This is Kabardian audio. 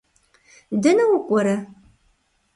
Дэнэ укӏуэрэ?